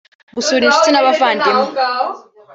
gusura inshuti n’abavandimwe